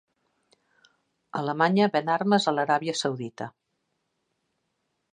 Alemanya ven armes a l'Aràbia Saudita